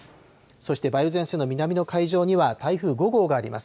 そして梅雨前線の南の海上には、台風５号があります。